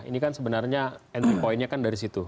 ini kan sebenarnya entry point nya kan dari situ